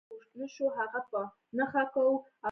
لمریز ځواک د افغانستان د پوهنې نصاب کې شامل دي.